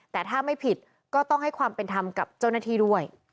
แต่ถ้าไม่ผิดก็ต้องให้ความเป็นธรรมกับเจ้าหน้าที่ด้วย